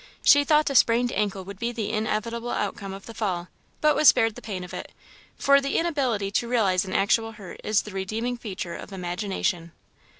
She thought a sprained ankle would be the inevitable outcome of the fall, but was spared the pain of it, for the inability to realise an actual hurt is the redeeming feature of imagination.